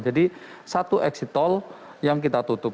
jadi satu exit tol yang kita tutup